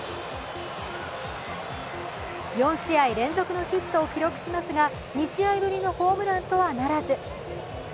４試合連続のヒットを記録しますが２試合ぶりのホームランとはならず。